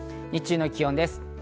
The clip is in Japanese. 日中の気温です。